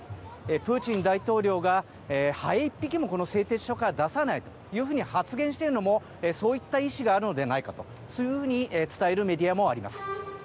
プーチン大統領がハエ１匹もこの製鉄所から出さないと発言しているのもそういった意思があるのではないかとそういうふうに伝えるメディアもあります。